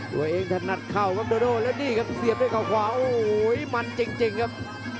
ถนัดเข่าครับโดโดและนี่ครับเสียบด้วยเขาขวาโอ้โหมันจริงครับ